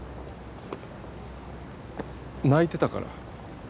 泣いてたから。